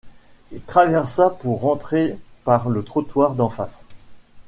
Il traversa pour rentrer par le trottoir d’en face.